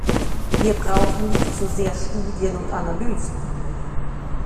Wir brauchen nicht so sehr Studien und Analysen.